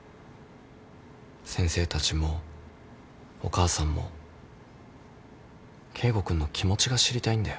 先生たちもお母さんも圭吾君の気持ちが知りたいんだよ。